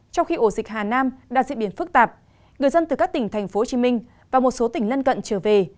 trong khi ổ dịch hà nam đã diễn biến phức tạp người dân từ các tỉnh thành phố hồ chí minh và một số tỉnh lân cận trở về